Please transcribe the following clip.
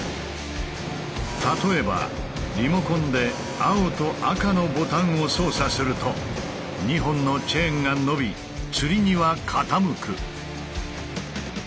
例えばリモコンで青と赤のボタンを操作すると２本のチェーンがのびつり荷は傾く。